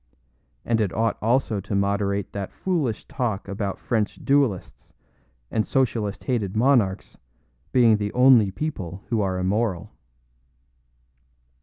And it ought also to moderate that foolish talk about French duelists and socialist hated monarchs being the only people who are immortal.